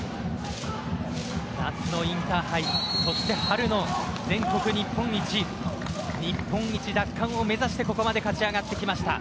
夏のインターハイそして、春の全国日本一日本一奪還を目指してここまで勝ち上がってきました。